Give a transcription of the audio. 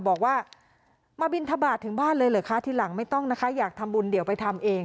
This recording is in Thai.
บอกว่ามาบินทบาทถึงบ้านเลยเหรอคะทีหลังไม่ต้องนะคะอยากทำบุญเดี๋ยวไปทำเอง